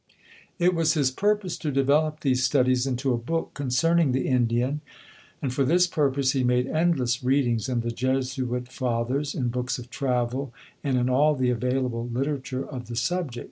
It was his purpose to develop these studies into a book concerning the Indian, and for this purpose he made endless readings in the Jesuit Fathers, in books of travel, and in all the available literature of the subject.